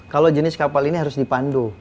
kalau jenis kapal ini harus dipandu